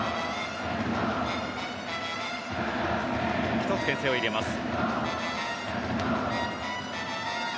１つ、けん制を入れます。